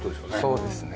そうですね。